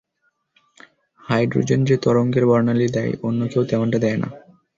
Hydrogen যে তরঙ্গের বর্ণালি দেয়, অন্য কেউ তেমনটা দেয় না।